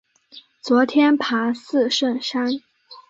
昨天爬四圣山